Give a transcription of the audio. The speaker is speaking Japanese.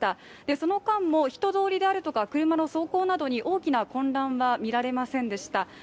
その間も人通りや車の走行に大きな混乱は見られませんでした。